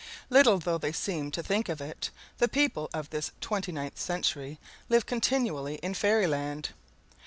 Little though they seem to think of it, the people of this twenty ninth century live continually in fairyland.